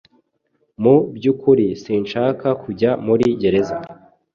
Mu byukuri sinshaka kujya muri gereza.